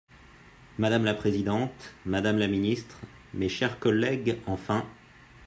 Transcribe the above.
Madame la présidente, madame la ministre, mes chers collègues, enfin